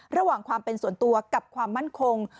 ระหว่างความเป็นส่วนตัวกับความมั่นคง